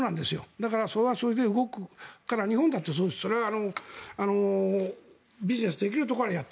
だから、それはそれで動くから日本だってビジネスできるところはやっ